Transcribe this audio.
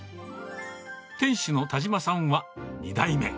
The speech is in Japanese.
店主の田島さんは、２代目。